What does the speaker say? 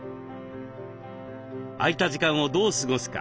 空いた時間をどう過ごすか。